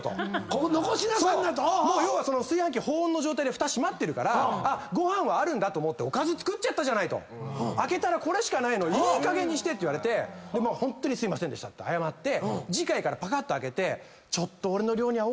要は「炊飯器保温の状態でふた閉まってるからご飯はあるんだと思っておかず作っちゃったじゃない開けたらこれしかないのいいかげんにして」って言われてホントにすいませんって謝って次回からパカッと開けて。